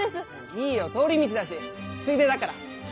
いいよ通り道だしついでだから。